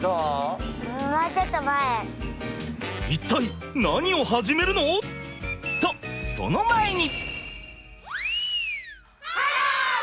一体何を始めるの？とその前に！？